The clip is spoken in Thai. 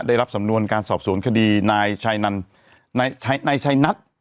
ได้รับสำนวนการสอบสวนคดีนายชัยนัท